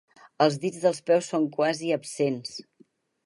Els dits dels peus són quasi absents.